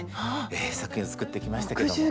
ええ作品を作ってきましたけども。